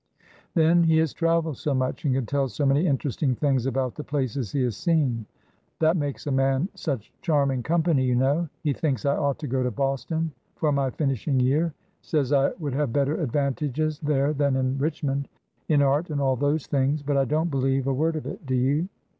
Then he has traveled so much, and can tell so many interesting things about the places he has seen. That makes a man such charming company, you know. He thinks I ought to go to Boston for my finishing year — says I would have better advantages there than in Rich mond— in art and all those things. But I don't believe a word of it, do you?